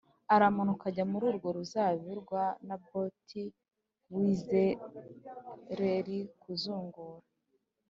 aramanuka ajya muri urwo ruzabibu rwa Naboti w’i Yezerēli kuruzungura